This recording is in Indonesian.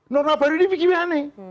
norma baru ini bagaimana